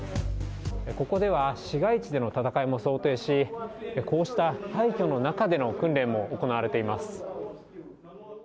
ここでは市街地での戦いも想定し、こうした廃虚の中での訓練も行われています。